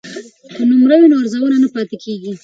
که نمره وي نو ارزونه نه پاتې کیږي.